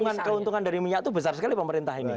dan keuntungan dari minyak itu besar sekali pemerintah ini